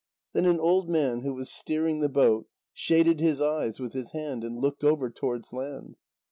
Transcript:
Then an old man who was steering the boat shaded his eyes with his hand and looked over towards land.